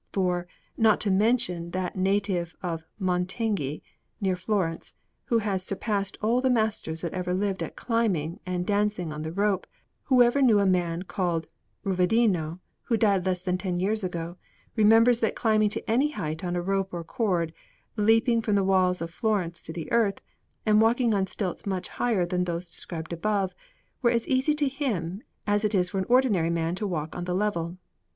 For, not to mention that native of Montughi (near Florence) who has surpassed all the masters that ever lived at climbing and dancing on the rope, whoever knew a man called Ruvidino, who died less than ten years ago, remembers that climbing to any height on a rope or cord, leaping from the walls of Florence to the earth, and walking on stilts much higher than those described above, were as easy to him as it is for an ordinary man to walk on the level.